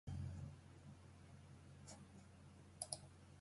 We cannot let this happen.